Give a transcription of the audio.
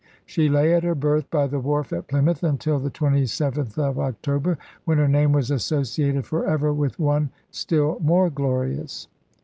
She lay at her berth by the wharf at Plymouth until the 27th of October, when her name was associated forever with one still more glorious.